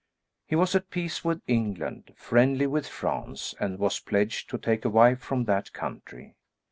He was at peace with England, friendly with France, and was pledged to take a wife from that country.